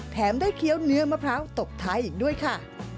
แถมได้เคี้ยวเนื้อมะพร้าวตบท้ายอีกด้วยค่ะ